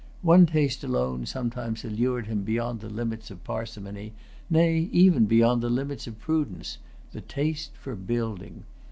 One taste alone sometimes allured him beyond the limits of parsimony, nay, even beyond the limits of prudence, the taste for building.